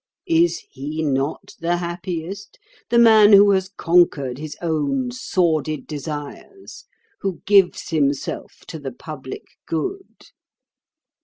Is he not the happiest, the man who has conquered his own sordid desires, who gives himself to the public good?